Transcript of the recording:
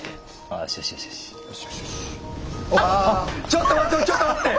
ちょっと待ってちょっと待って！